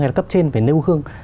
hay là cấp trên phải nêu hương